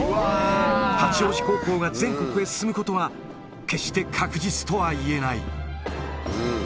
八王子高校が全国へ進むことは、決して確実とはいえない。